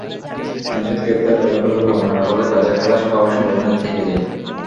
নচেৎ গ্রেপ্তার করা হলেও প্রমাণের অভাবে তাঁদের খালাস পাওয়ার সম্ভাবনাই থেকে যায়।